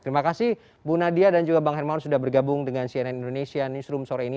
terima kasih bu nadia dan juga bang hermawan sudah bergabung dengan cnn indonesia newsroom sore ini